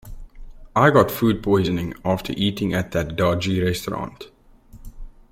I got food poisoning after eating at that dodgy restaurant.